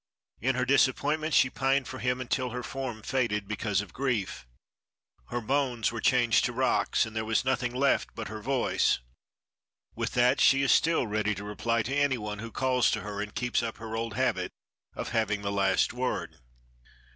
In her disappointment she pined for him until her form faded because of grief. Her bones were changed to rocks and there was nothing left but her voice. With that she is still ready to reply to anyone who calls to her and keeps up her old habit of having the last word.